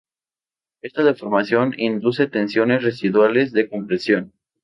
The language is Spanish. Esta deformación induce tensiones residuales de compresión.